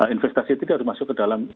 investasi tidak masuk ke dalam